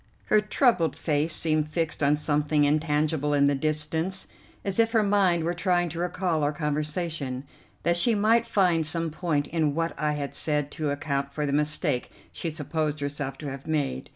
Her troubled face seemed fixed on something intangible in the distance, as if her mind were trying to recall our conversation, that she might find some point in what I had said to account for the mistake she supposed herself to have made.